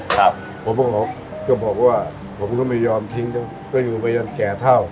ผมก็บอกก็บอกว่าผมก็ไม่ยอมทิ้งก็อยู่ไปยันแก่เท่า